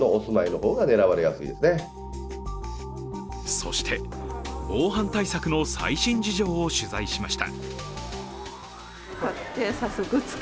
そして防犯対策の最新事情を取材しました。